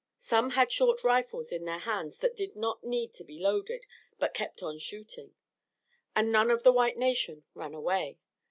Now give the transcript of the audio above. Some had short rifles in their hands that did not need to be loaded, but kept on shooting. And none of the white nation ran away.